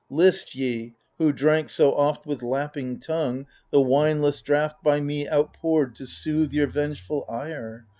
List, ye who drank so oft with lapping tongue The wineless draught by me outpoured to soothe Your vengeftil ire